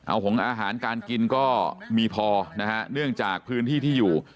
เอาหงอาหารการกินก็มีพอนะฮะเนื่องจากพื้นที่ที่อยู่